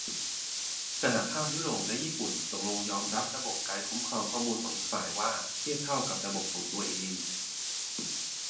สหภาพยุโรปและญี่ปุ่นตกลงยอมรับระบบการคุ้มครองข้อมูลของอีกฝ่ายว่า 'เทียบเท่า' กับระบบของตัวเอง